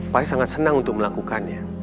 pak is sangat senang untuk melakukannya